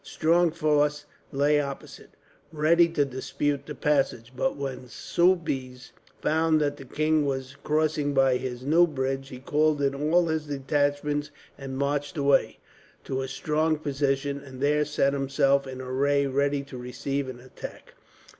A strong force lay opposite, ready to dispute the passage; but when Soubise found that the king was crossing by his new bridge, he called in all his detachments and marched away, to a strong position, and there set himself in array ready to receive an attack.